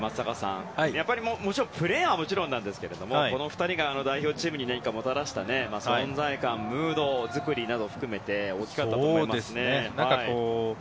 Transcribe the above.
プレーはもちろんですがこの２人が代表チームに何か、もたらした存在感ムード作りを含めて大きかったと思います。